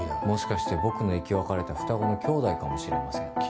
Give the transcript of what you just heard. もしかして僕の生き別れた双子のきょうだいかもしれません。